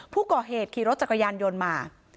ผู้ก่อเหตุขี่รถจักรยานยนต์มา